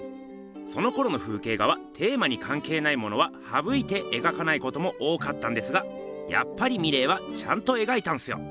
そのころの風景画はテーマにかんけいないものははぶいて描かないことも多かったんですがやっぱりミレーはちゃんと描いたんすよ。